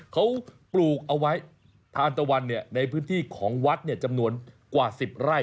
เขาปลูกเอาไว้ทานตะวันในพื้นที่ของวัดจำนวนกว่า๑๐ไร่